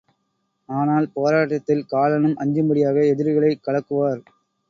ஆனால் போராட்டத்தில் காலனும் அஞ்சும்படியாக எதிரிகளைக் கலக்குவார்.